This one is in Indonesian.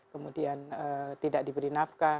kemudian tidak diberi nafkah